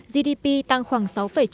gdp tăng khoảng sáu chín mươi tám